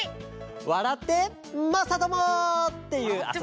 「わらってまさとも！」っていうあそび！